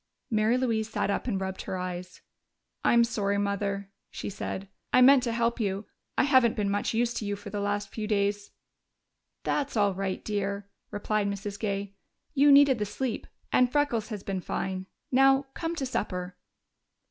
Mary Louise sat up and rubbed her eyes. "I'm sorry, Mother," she said. "I meant to help you. I haven't been much use to you for the last few days." "That's all right, dear," replied Mrs. Gay. "You needed the sleep, and Freckles has been fine.... Now, come to supper."